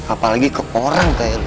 apalagi ke orang kayak lu